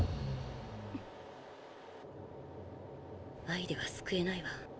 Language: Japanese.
愛では救えないわ。